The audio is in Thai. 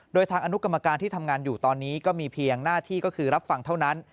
โดยทางอนุกรรมการที่ทำงานอยู่ตอนนี้ก็มีเพียงหน้าที่ก็คือรับฟังเท่านั้น